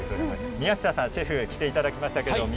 宮下さんに来ていただきました。